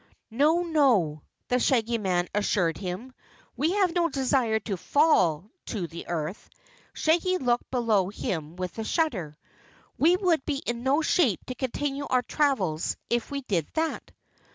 "No, no," the Shaggy Man assured him. "We have no desire to fall to the earth." Shaggy looked below him with a shudder. "We would be in no shape to continue our travels if we did that."